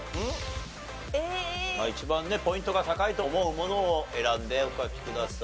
一番ねポイントが高いと思うものを選んでお書きください。